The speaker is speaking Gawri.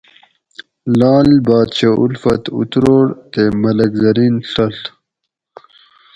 لعل بادشاہ اُلفت اُتروڑ تے ملک زرین ڷڷ